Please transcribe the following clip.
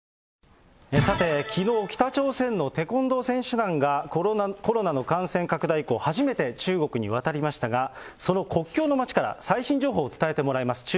さて、きのう、北朝鮮のテコンドー選手団がコロナの感染拡大以降、初めて中国に渡りましたが、その国境の街から最新情報を伝えてもらいます。